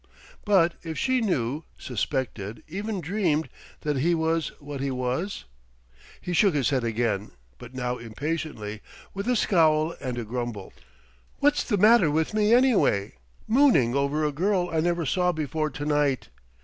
But if she knew suspected even dreamed that he was what he was?... He shook his head again, but now impatiently, with a scowl and a grumble: "What's the matter with me anyway? Mooning over a girl I never saw before to night!